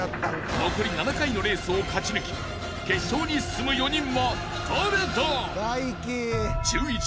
［残り７回のレースを勝ち抜き決勝に進む４人は誰だ！？］